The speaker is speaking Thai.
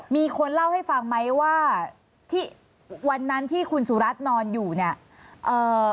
มีคนเล่าให้ฟังไหมว่าวันนั้นที่คุณสุรัสตร์นอนอยู่นี่